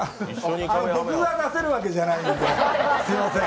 僕が出せるわけじゃないのですみません。